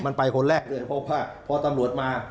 มันไปคนแรกเลยเพราะว่าพอตำรวจมา